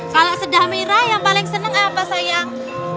kalau sedang berah yang paling senang apa sayang